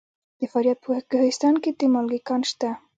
د فاریاب په کوهستان کې د مالګې کان شته.